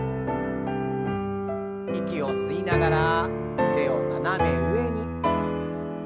息を吸いながら腕を斜め上に。